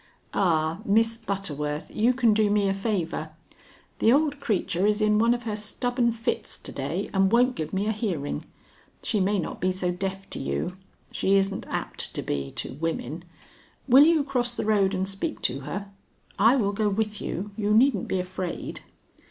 "Ah, Miss Butterworth, you can do me a favor. The old creature is in one of her stubborn fits to day, and won't give me a hearing. She may not be so deaf to you; she isn't apt to be to women. Will you cross the road and speak to her? I will go with you. You needn't be afraid."